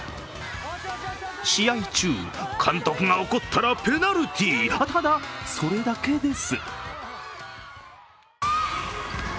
試合中、監督が怒ったらペナルティーただ、それだけです。